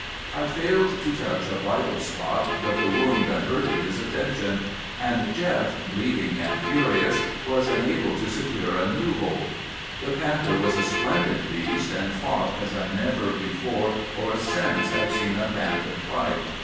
I failed to touch a vital spot, but the wound diverted his attention; and Jeff, bleeding and furious, was enabled to secure a new hold. The panther was a splendid beast, and fought as I never before or since have seen a panther fight.